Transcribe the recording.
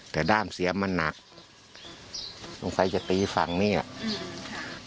แต่ด้ามเสียมันหนักสงสัยจะตีฝั่งนี้อ่ะอืม